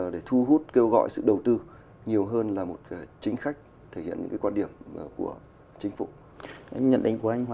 để thu hút kêu gọi sự đầu tư nhiều hơn là một chính khách